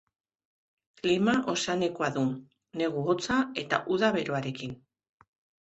Klima ozeanikoa du, negu hotza eta uda beroarekin.